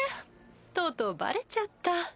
とうとうバレちゃった。